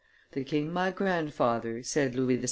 "The king my grandfather," said Louis XVI.